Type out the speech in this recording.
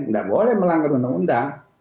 tidak boleh melanggar undang undang